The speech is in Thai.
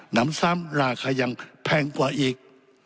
น้ำซ้ำราคายังแพงกว่าอีก